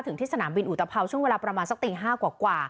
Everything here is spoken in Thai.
ที่สนามบินอุตภาวช่วงเวลาประมาณสักตี๕กว่า